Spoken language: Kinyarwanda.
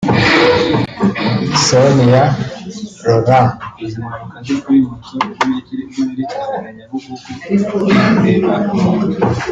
Sonia Rolland